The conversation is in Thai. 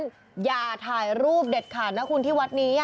เพราะฉะนั้นอย่าถ่ายรูปเด็ดขาดนะคุณที่วัดนี้